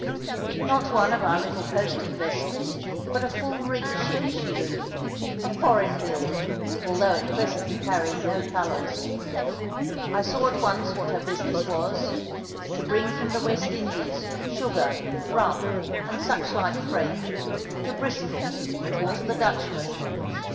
Not one of our little coasting vessels, but a full rigged ship she loomed, of foreign build, although at present carrying no colours. I saw at once what her business was, to bring from the West Indies sugar, rum, and suchlike freight, to Bristol, or to the Dutchmen.